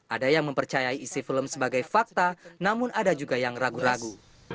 ada yang mempercayai isi film sebagai fakta namun ada juga yang ragu ragu